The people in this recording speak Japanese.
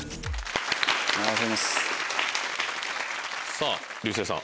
さぁ流星さん。